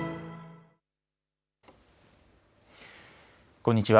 こんにちは。